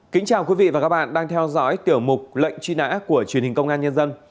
kính chào quý vị và các bạn đang theo dõi tiểu mục lệnh truy nã của truyền hình công an nhân dân